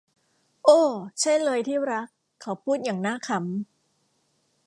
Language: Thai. โอ้ ใช่เลยที่รัก เขาพูดอย่างน่าขำ